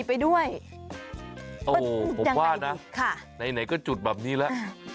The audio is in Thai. ไปด้วยโอ้ผมว่านะค่ะไหนไหนก็จุดแบบนี้แหละ